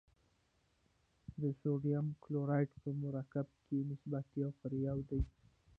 د سوډیم کلورایډ په مرکب کې نسبت یو پر یو دی.